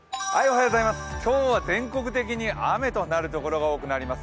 今日は全国的に雨となるところが多くなります。